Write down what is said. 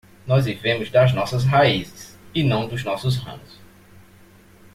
Nós vivemos das nossas raízes e não dos nossos ramos.